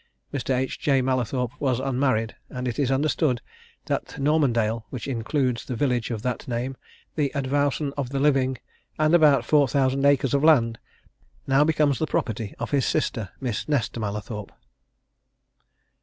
Mr. H.J. Mallathorpe was unmarried, and it is understood that Normandale (which includes the village of that name, the advowson of the living, and about four thousand acres of land) now becomes the property of his sister, Miss Nesta Mallathorpe."